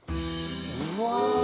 うわ！